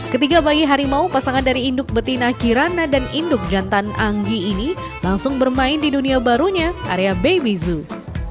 ketiga bayi harimau pasangan dari induk betina kirana dan induk jantan anggi ini langsung bermain di dunia barunya area baby zoo